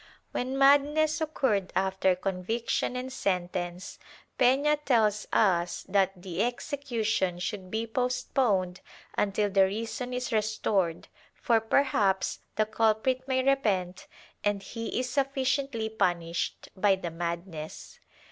^ When madness occurred after conviction and sentence, Pena tells us that the execution should be postponed until the reason is restored, for perhaps the culprit may repent and he is suflnciently punished by the madness.